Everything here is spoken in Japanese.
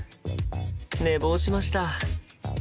寝坊しました。